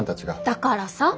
だからさ。